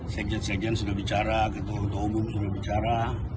sejen sejen sudah bicara untuk umum sudah bicara